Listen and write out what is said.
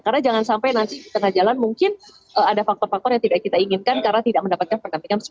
karena jangan sampai nanti tengah jalan mungkin ada faktor faktor yang tidak kita inginkan karena tidak mendapatkan pergantian sepuluh